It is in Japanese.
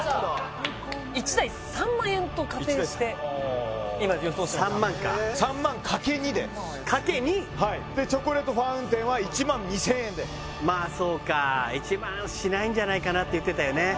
１台３００００円と仮定して今予想してました３００００か３００００×２で×２？でチョコレートファウンテンは１２０００円でまあそうか１００００しないんじゃないかなって言ってたよね・